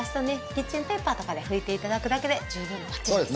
キッチンペーパーとかで拭いていただくだけで十分ばっちりです。